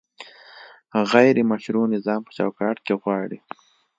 غیر مشروع نظام په چوکاټ کې غواړي؟